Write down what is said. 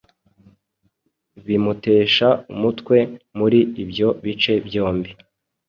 bimutesha umutwe muri ibyo bice byombi